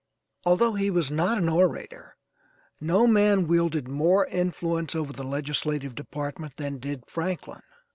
Although he was not an orator, no man wielded more influence over the legislative department than did Franklin.